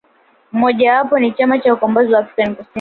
Moja wapo ni Chama cha ukombozi wa afrika Kusini